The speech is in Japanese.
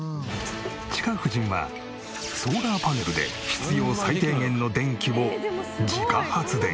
チカ婦人はソーラーパネルで必要最低限の電気を自家発電。